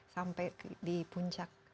sampai di puncak